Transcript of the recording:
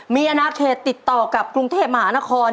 มีอนาเขตติดต่อกับกรุงเทพมหานคร